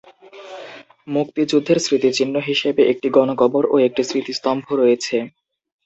মুক্তিযুদ্ধের স্মৃতিচিহ্ন হিসেবে একটি গণকবর ও একটি স্মৃতিস্তম্ভ রয়েছে।